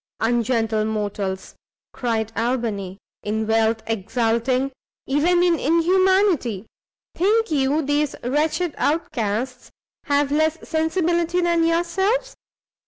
"Ungentle mortals!" cried Albany, "in wealth exulting; even in inhumanity! think you these wretched outcasts have less sensibility than yourselves?